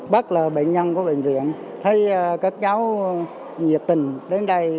bất là bệnh nhân của bệnh viện thấy các cháu nhiệt tình đến đây